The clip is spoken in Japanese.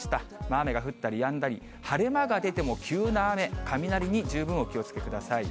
雨が降ったりやんだり、晴れ間が出ても急な雨、雷に十分お気をつけください。